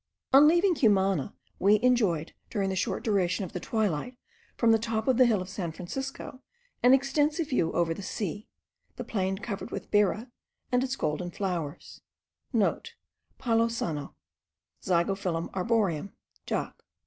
On leaving Cumana we enjoyed during the short duration of the twilight, from the top of the hill of San Francisco, an extensive view over the sea, the plain covered with bera* and its golden flowers (* Palo sano, Zygophyllum arboreum, Jacq.